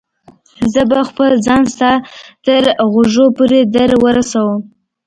زه به خپل ځان ستا تر غوږو پورې در ورسوم.